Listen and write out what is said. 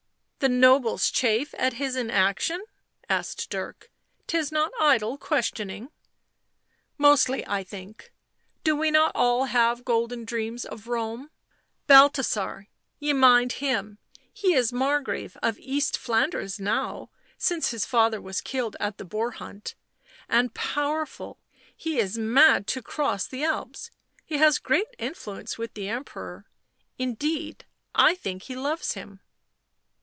" The nobles chafe at his inaction ?" asked Dirk. " 'Tis not idle questioning." " Mostly, I think — do we not all have golden dreams of Rome 1 Balthasar — ye mind him, he is Margrave of East Flanders now, since his father was killed at the boar hunt — and powerful, he is mad to cross the Alps — he has great influence with the Emperor. Indeed, I think he loves him."